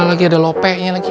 lagi ada lope nya lagi